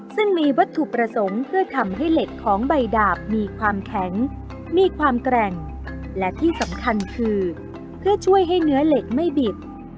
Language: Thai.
ซึ่งมีวัตถุประสงค์เพื่อทำให้เหล็กของใบดาบมีความแข็งมีความแกร่งและที่สำคัญคือเพื่อช่วยให้เนื้อเหล็กไม่บิด